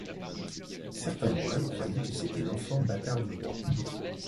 Certains moines croyaient que c'était l'enfant bâtard du roi.